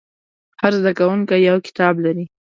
هر زده کوونکی یو کتاب لري.